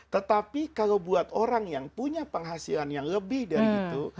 tetapi kalau buat orang yang punya penghasilan yang lebih dari itu